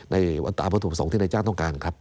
ในตามประสงค์ที่นายจ้างต้องการครับ